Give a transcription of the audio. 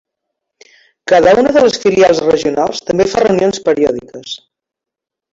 Cada una de les filials regionals també fa reunions periòdiques.